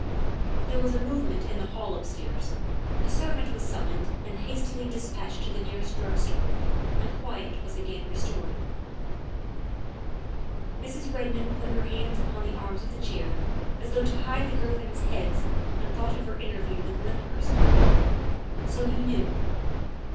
'' There was a movement in the hall upstairs ; a servant was summoned and hastily dispatched to the nearest drug store, and quiet was again restored. Mrs. Eedmond put her hands upon the arms of the chair as though to hide the griffins' heads and thought of her interview with Lyndhurst. So he knew.